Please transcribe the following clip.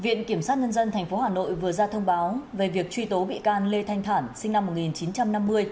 viện kiểm sát nhân dân tp hà nội vừa ra thông báo về việc truy tố bị can lê thanh thản sinh năm một nghìn chín trăm năm mươi